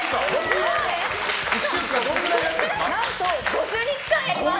何と５０日間やります！